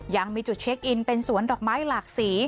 ยังมีจุดเช็คอินเป็นสวนดอกไม้หลากสี